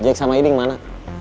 bojang sama ini kemana